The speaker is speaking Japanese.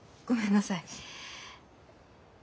ごめんなさい。